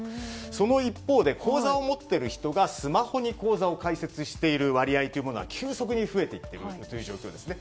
その一方で口座を持っている人がスマホに口座を開設している割合が急速に増えて行っている状況です。